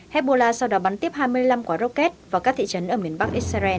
hezbollah sau đó bắn tiếp hai mươi năm quả rocket vào các thị trấn ở miền bắc israel